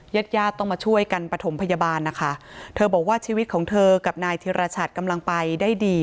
ญาติญาติต้องมาช่วยกันประถมพยาบาลนะคะเธอบอกว่าชีวิตของเธอกับนายธิรชัดกำลังไปได้ดี